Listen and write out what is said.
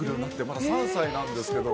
まだ３歳なんですけど。